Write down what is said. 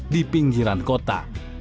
di pinggiran kota